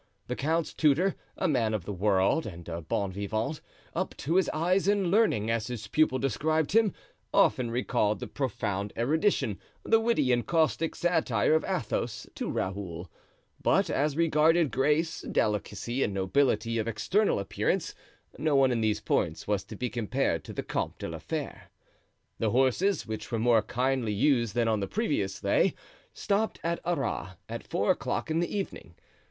The count's tutor, a man of the world and a bon vivant, up to his eyes in learning, as his pupil described him, often recalled the profound erudition, the witty and caustic satire of Athos to Raoul; but as regarded grace, delicacy, and nobility of external appearance, no one in these points was to be compared to the Comte de la Fere. The horses, which were more kindly used than on the previous day, stopped at Arras at four o'clock in the evening.